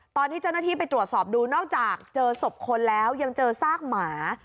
ตอนที่เจ้าหน้าที่ไปตรวจสอบดูนอกจากเจอศพคนแล้วยังเจอซากหมา